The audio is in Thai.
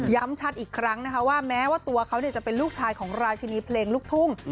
ชัดอีกครั้งนะคะว่าแม้ว่าตัวเขาจะเป็นลูกชายของราชินีเพลงลูกทุ่ง